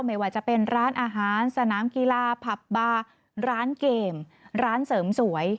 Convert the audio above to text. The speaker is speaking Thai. ไม่ว่าจะเป็นร้านอาหารสนามกีฬาผับบาร์ร้านเกมร้านเสริมสวย